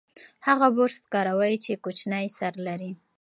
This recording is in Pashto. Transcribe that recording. هغه برس کاروي چې کوچنی سر لري.